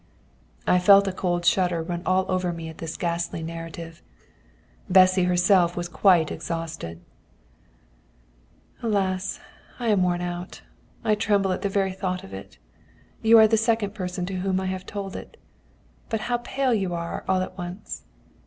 I felt a cold shudder run all over me at this ghastly narrative. Bessy herself was quite exhausted. "Alas! I am quite worn out. I tremble at the very thought of it. You are the second person to whom I have told it. But how pale you are all at once!"